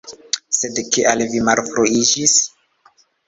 Sed kial vi malfruiĝis?